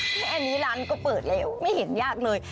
แค่อันนี้ร้านก็เปิดแล้วไม่เห็นยากเลย